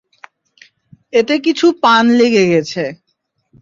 এতে কিছু পান লেগে গেছে।